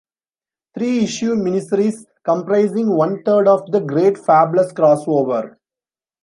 Three issue miniseries comprising one third of "The Great Fables Crossover".